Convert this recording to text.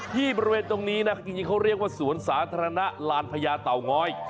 บริเวณตรงนี้นะจริงเขาเรียกว่าสวนสาธารณะลานพญาเต่าง้อย